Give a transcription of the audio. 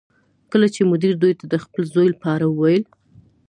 کله چې مدیر دوی ته د خپل زوی په اړه وویل